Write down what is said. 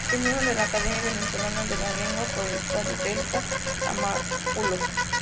Es miembro de la Academia Venezolana de la Lengua por el Estado Delta Amacuro.